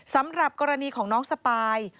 สำหรับกรณีของน้องสปาย